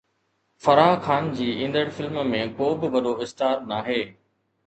فرح خان جي ايندڙ فلم ۾ ڪو به وڏو اسٽار ناهي